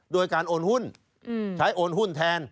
โดยการโอนหุ้นใช้โอนหุ้นแทน